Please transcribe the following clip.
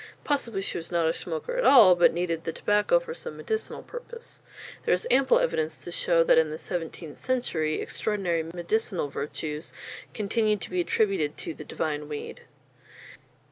Possibly she was not a smoker at all, but needed the tobacco for some medicinal purpose. There is ample evidence to show that in the seventeenth century extraordinary medicinal virtues continued to be attributed to the "divine weed."